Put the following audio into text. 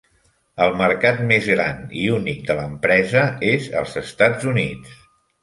El mercat més gran i únic de l'empresa és els Estats Units.